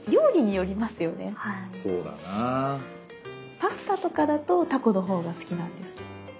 パスタとかだとタコのほうが好きなんですけど。